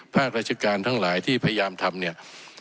ภาคราชการทั้งหลายที่พยายามทำเนี่ย